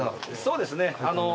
そうですね。